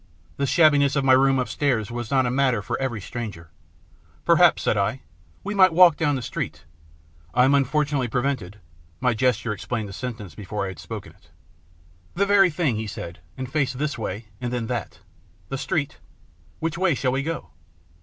The shabbiness of my room upstairs was not a matter for every stranger. " Perhaps," said I, " we might walk down the street. I'm STORY OF THE LATE MR. ELVESHAM 49 unfortunately prevented " My gesture explained the sentence before I had spoken it. " The very thing," he said, and faced this way and then that. " The street ? Which way shall we go